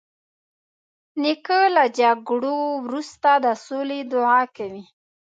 نیکه له جګړو وروسته د سولې دعا کوي.